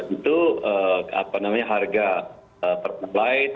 itu apa namanya harga perpublah harga perintah